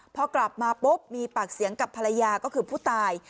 พอกลับมาปุ๊บมีปากเสียงกับภรรยาก็คือผู้ตาย